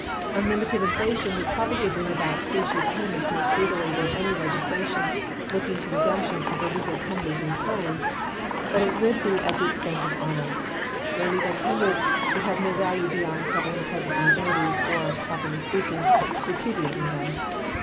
Unlimited inflation would probably bring about specie payments more speedily than any legislation looking to redemption of the legal tenders in coin; but it would be at the expense of honor. The legal tenders would have no value beyond settling present liabilities, or, properly speaking, repudiating them.